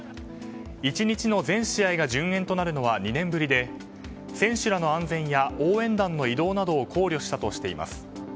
１日の全試合が順延となるのは２年ぶりで選手らの安全や応援団の移動などを考慮したとしています。